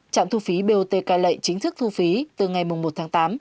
trạm thu phí bot cai lệ chính thức thu phí từ ngày một tháng tám